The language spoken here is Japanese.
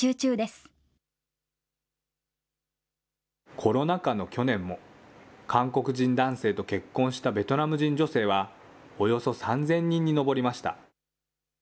コロナ禍の去年も、韓国人男性と結婚したベトナム人女性は、およそ３０００人に上りました。